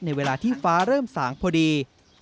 เวลาที่ฟ้าเริ่มสางพอดี